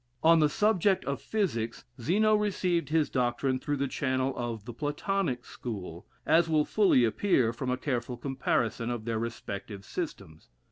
On the subject of physics, Zeno received his doctrine through the channel of the Platonic school, as will fully appear from a careful comparison of their respective systems.